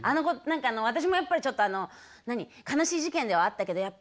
何か私もやっぱりちょっとあの悲しい事件ではあったけど